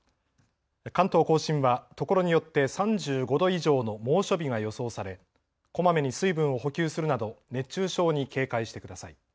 関東甲信はところによって３５度以上の猛暑日が予想されこまめに水分を補給するなど熱中症に警戒してください。